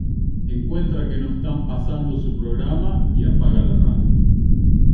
Encuentra que no están pasando su programa y apaga la radio.